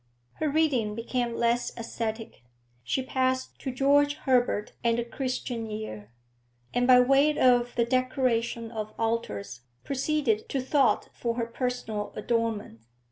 Her reading became less ascetic, she passed to George Herbert and the 'Christian Year,' and by way of the decoration of altars proceeded to thought for her personal adornment.